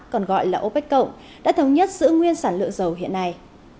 còn gọi là opec cộng đã thống nhất giữ nguyên sản lượng dầu hiện nay